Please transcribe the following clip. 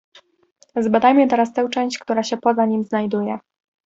"Zbadajmy teraz tę część, która się poza nim znajduje."